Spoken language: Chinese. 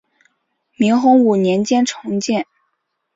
明洪武年间重建。